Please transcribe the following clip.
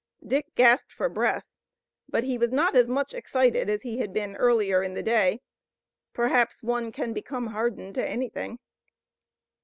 Dick gasped for breath, but he was not as much excited as he had been earlier in the day. Perhaps one can become hardened to anything.